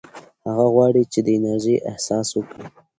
هغه غواړي چې د انرژۍ احساس وکړي.